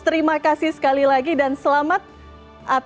terima kasih sekali lagi dan selamat atas prestasi anda sebagai pemenang